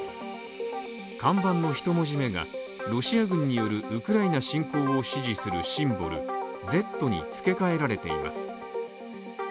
看板の１文字目がロシア軍によるウクライナ侵攻を支持するシンボルＺにつけ替えられています。